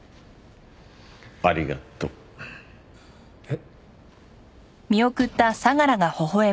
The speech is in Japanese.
ありがとう。えっ？